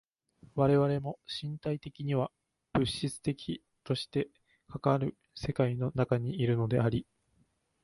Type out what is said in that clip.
我々も身体的には物質的としてかかる世界の中にいるのであり、